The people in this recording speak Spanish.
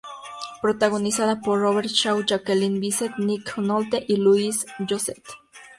Protagonizada por Robert Shaw, Jacqueline Bisset, Nick Nolte y Louis Gossett, Jr.